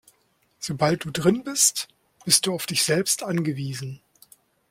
Sobald du drinnen bist, bist du auf dich selbst angewiesen.